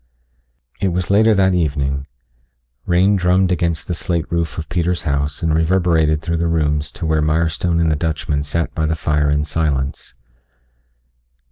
It was later that evening. Rain drummed against the slate roof of Peter's house and reverberated through the rooms to where Mirestone and the Dutchman sat by the fire in silence.